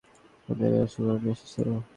তাদের কাছে স্পষ্ট নিদর্শনসহ তাদের রসূলগণ এসেছিল।